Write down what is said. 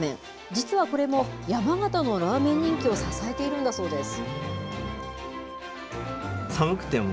実はこれも山形のラーメン人気を支えているんだそうです。